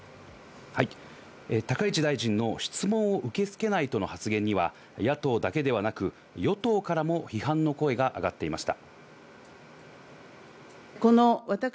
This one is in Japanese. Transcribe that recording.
高市大臣の質問を受け付けないとの発言には、野党だけではなく、与党からも批判の声があがっていました。